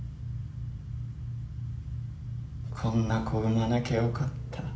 「こんな子産まなきゃよかった」